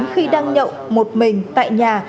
khi đang nhậu một mình tại nhà